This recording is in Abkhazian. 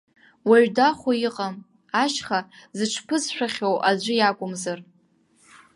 Уаҩ дахәо иҟам, ашьха зыҽԥызшәахьоу аӡәы иакәымзар.